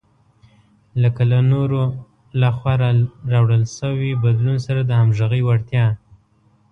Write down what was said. لکه له نورو لخوا راوړل شوي بدلون سره د همغږۍ وړتیا.